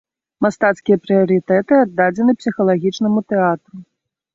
Мастацкія прыярытэты аддадзены псіхалагічнаму тэатру.